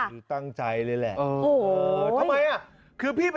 คือตั้งใจเลยแหละ